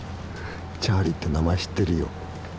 チャーリーって名前知ってるよ。